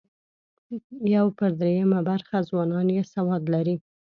یو پر درېیمه برخه ځوانان یې سواد لري.